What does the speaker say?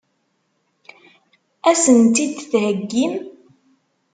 Ad sen-tt-id-theggim?